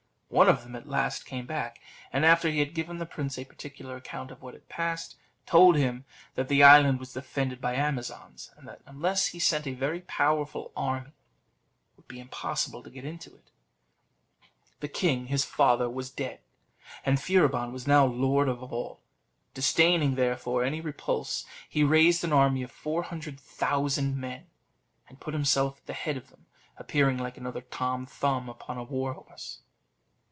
One of them at last came back, and after he had given the prince a particular account of what had passed, told him that the island was defended by Amazons, and that unless he sent a very powerful army, it would be impossible to get into it. The king his father was dead, and Furibon was now lord of all: disdaining, therefore, any repulse, he raised an army of four hundred thousand men, and put himself at the head of them, appearing like another Tom Thumb upon a war horse.